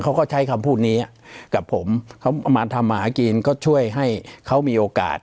เขาก็ใช้คำพูดนี้กับผมเขามาทำอาหารกินก็ช่วยให้เขามีโอกาส